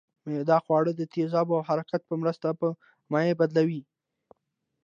معده خواړه د تیزابو او حرکت په مرسته په مایع بدلوي